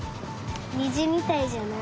にじみたいじゃない？